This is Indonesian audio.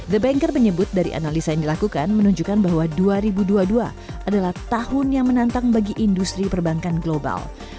the banker menyebut dari analisa yang dilakukan menunjukkan bahwa dua ribu dua puluh dua adalah tahun yang menantang bagi industri perbankan global